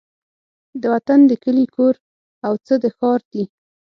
د وطن د کلي کور او څه د ښار دي